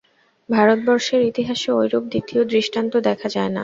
ভারতবর্ষের ইতিহাসে ঐরূপ দ্বিতীয় দৃষ্টান্ত দেখা যায় না।